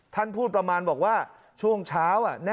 ท่านพูดประมาณบอกว่าช่วงเช้า